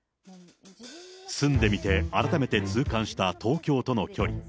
住んでみて改めて痛感した東京との距離。